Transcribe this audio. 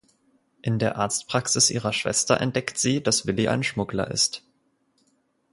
In der Arztpraxis ihrer Schwester entdeckt sie, dass Willi ein Schmuggler ist.